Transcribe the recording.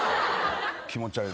気持ち悪いな。